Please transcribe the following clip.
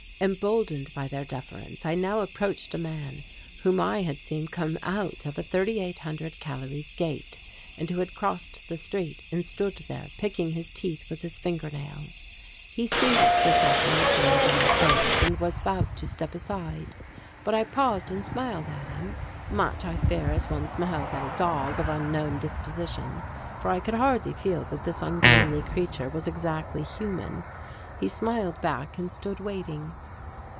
Emboldened by their deference I now approached a man whom I had seen come out of a "3800 Calories" gate, and who had crossed the street and stood there picking his teeth with his finger nail. He ceased this operation as I approached and was about to step aside. But I paused and smiled at him, much, I fear, as one smiles at a dog of unknown disposition, for I could hardly feel that this ungainly creature was exactly human. He smiled back and stood waiting.